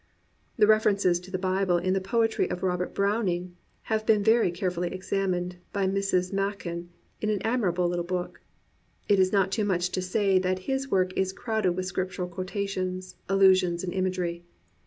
The references to the Bible in the poetry of Robert Browning have been very carefully exam ined by Mrs. Machen in an admirable little book.* It is not too much to say that his work is crowded with Scriptiu^I quotations, allusions, and imagery.